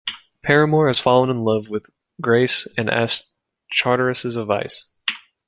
Paramore has fallen in love with Grace and asks Charteris's advice.